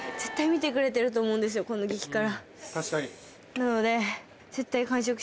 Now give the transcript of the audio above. なので。